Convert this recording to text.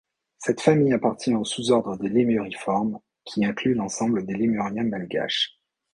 Cette famille appartient au sous-ordre des Lemuriformes, qui inclut l'ensemble des lémuriens malgaches.